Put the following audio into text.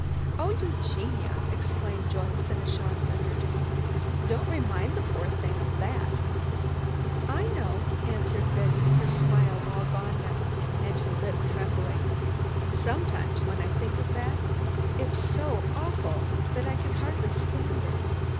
"Oh, Eugenia!" exclaimed Joyce, in a shocked undertone. "Don't remind the poor little thing of of that." "I know," answered Betty, her smile all gone now, and her lip trembling. "Sometimes when I think of that, it's so awful that I can hardly stand it.